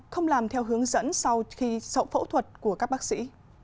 không làm theo hướng dẫn sau khi sau phẫu thuật của các bác sĩ